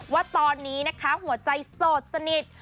ว่าตอนนี้นะคะหัวใจโสดสนิท